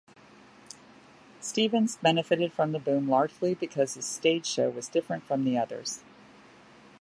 Stevens benefited from the boom largely because his stage show was different from others.